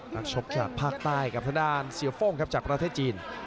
นักชอบจากภาคใต้กับทะดานเซียวโฟ่งจากประเทศจีน